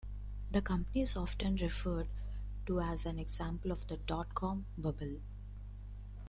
The company is often referred to as an example of the dot-com bubble.